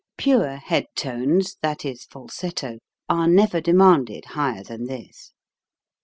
Pure head tones, that is, falsetto, are never demanded higher than this.